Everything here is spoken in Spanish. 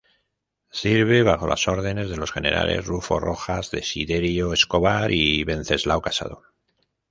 Sirve bajo las órdenes de los generales Rufo Rojas, Desiderio Escobar y Wenceslao Casado.